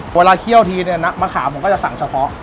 เวลาเคี่ยวทีมะขามผมก็จะสั่งเฉพาะ